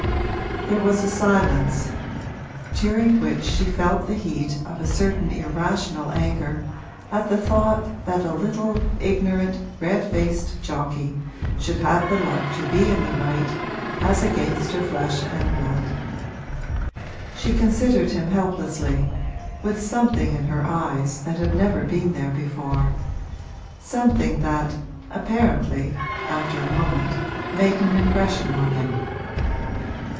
There was a silence, during which she felt the heat of a certain irrational anger at the thought that a little ignorant, red faced jockey should have the luck to be in the right as against her flesh and blood. She considered him helplessly, with something in her eyes that had never been there before something that, apparently, after a moment, made an impression on him.